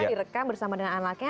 direkam bersama dengan anaknya